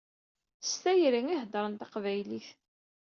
S tayri i heddṛen taqbaylit.